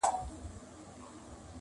ډلي وینم د مرغیو پورته کیږي!.